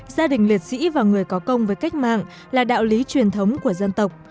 gia đình liệt sĩ và người có công với cách mạng là đạo lý truyền thống của dân tộc